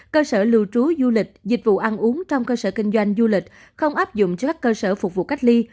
cơ sở lưu trú du lịch dịch vụ ăn uống trong cơ sở kinh doanh du lịch không áp dụng cho các cơ sở phục vụ cách ly